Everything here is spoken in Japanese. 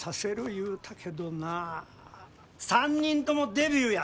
言うたけどな３人ともデビューや！